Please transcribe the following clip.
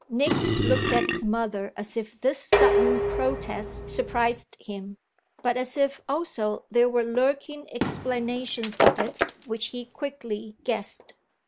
Nick looked at his mother as if this sudden protest surprised him, but as if also there were lurking explanations of it which he quickly guessed.